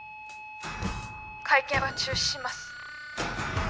会見は中止します。